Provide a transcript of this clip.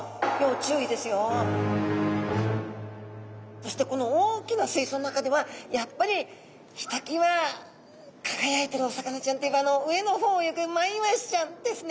そしてこの大きな水槽の中ではやっぱりひときわ輝いてるお魚ちゃんといえばあの上の方を泳ぐマイワシちゃんですね。